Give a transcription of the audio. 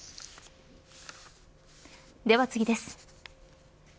では次です。